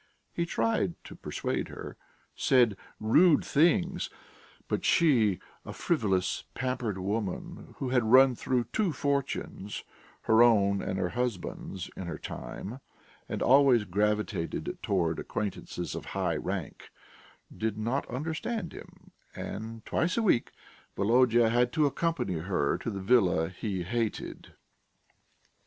He tried to persuade her, said rude things, but she a frivolous, pampered woman, who had run through two fortunes, her own and her husband's, in her time, and always gravitated towards acquaintances of high rank did not understand him, and twice a week Volodya had to accompany her to the villa he hated.